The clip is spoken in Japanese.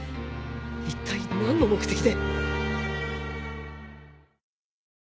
一体何の目的で？